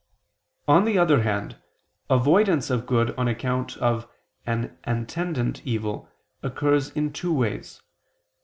On the other hand, avoidance of good on account of an attendant evil occurs in two ways.